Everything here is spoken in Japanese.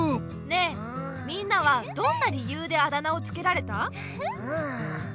ねえみんなはどんな理由であだ名をつけられた？